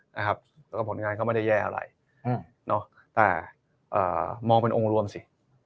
แล้วก็ผลงานก็ไม่ได้แย่อะไรแต่มองเป็นองค์รวมสิ